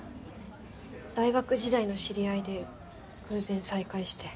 大学時代の知り合いで偶然再会して。